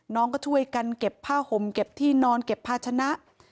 น้องก็ช่วยกันเก็บผ้าห่มเก็บที่นอนเก็บภาชนะ